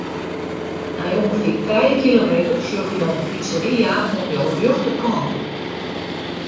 Nei ûngefear trije kilometer sjogge jo in pizzeria oan jo rjochterkant.